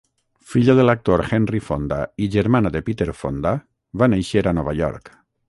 Filla de l'actor Henry Fonda i germana de Peter Fonda, va néixer a Nova York.